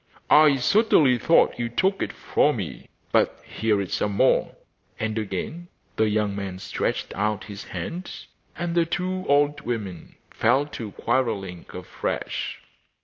'I certainly thought you took it from me; but here is some more.' And again the young man stretched out his hand; and the two old women fell to quarrelling afresh.